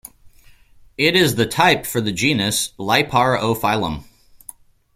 It is the type for the genus "Liparophyllum".